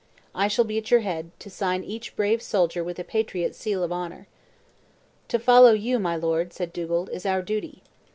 I shall be at your head, to sign each brave soldier with a patriot's seal of honor." "To follow you, my lord," said Dugald, "is our duty."